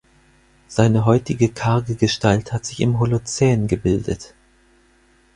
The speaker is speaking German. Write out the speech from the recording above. Seine heutige karge Gestalt hat sich im Holozän gebildet.